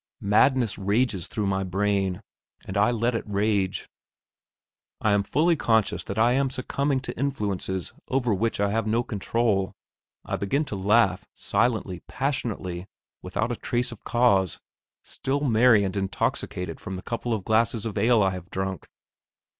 Madness rages through my brain, and I let it rage. I am fully conscious that I am succumbing to influences over which I have no control. I begin to laugh, silently, passionately, without a trace of cause, still merry and intoxicated from the couple of glasses of ale I have drunk.